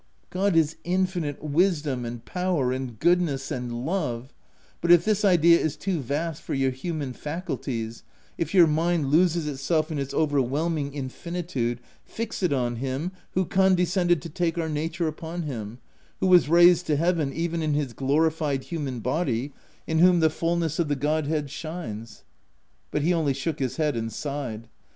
"< God is Infinite Wisdom, and Power, and Goodness — and Love ; but if this idea is too vast for your human faculties — if your mind loses itself in its overwhelming infinitude, fix it on Him who condescended to take our nature upon Him, who was raised to Heaven even in his glorified human body, in whom the fulness of the godhead shines/ "• But he only shook his head and sighed.